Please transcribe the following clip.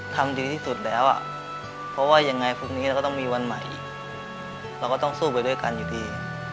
ทำดีที่สุดแล้วอ่ะเพราะว่ายังไงพรุ่งนี้เราก็ต้องมีวันใหม่เราก็ต้องสู้ไปด้วยกันอยู่ดี